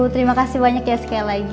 terima kasih banyak ya sekali lagi